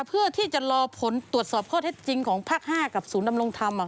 เพื่อที่จะรอผลตรวจสอบข้อเท็จจริงของภาค๕กับศูนย์ดำรงธรรม